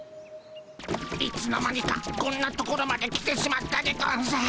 いつの間にかこんな所まで来てしまったでゴンス。